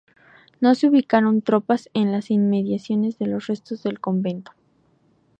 No se ubicaron tropas en las inmediaciones de los restos del convento.